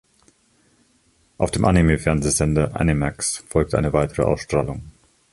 Auf dem Anime-Fernsehsender Animax folgte eine weitere Ausstrahlung.